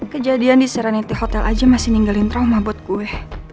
kejadian di seraniti hotel aja masih ninggalin trauma buat gue